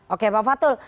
oke pak fatul